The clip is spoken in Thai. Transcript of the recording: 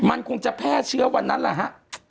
มันคงจะแพร่เชื้อวันนั้นละครับ